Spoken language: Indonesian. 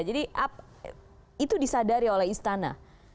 jadi itu disadari oleh istana